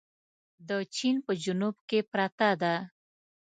د چين په جنوب کې پرته ده.